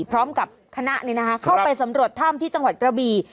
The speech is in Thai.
พร้อมกับคณะเข้าไปสำรวจถ้ำที่จังหวัดกระบี่